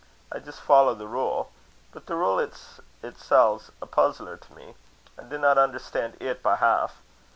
I jist follow the rule. But the rule itsel's a puzzler to me. I dinna understan' it by half.